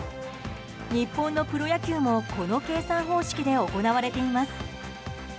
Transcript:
日本のプロ野球もこの計算方式で行われています。